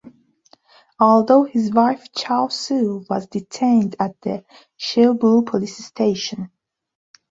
Although his wife Chaw Su was detained at the Shwebo police station.